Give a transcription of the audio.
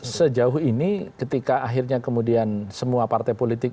sejauh ini ketika akhirnya kemudian semua partai politik